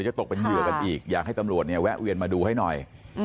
ตกเป็นเหยื่อกันอีกอยากให้ตำรวจเนี่ยแวะเวียนมาดูให้หน่อย